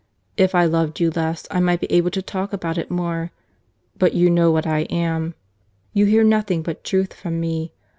—"If I loved you less, I might be able to talk about it more. But you know what I am.—You hear nothing but truth from me.